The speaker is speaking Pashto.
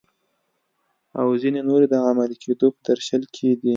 او ځینې نورې د عملي کیدو په درشل کې دي.